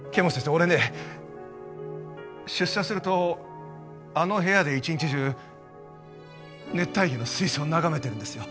俺ね出社するとあの部屋で一日中熱帯魚の水槽眺めてるんですよ。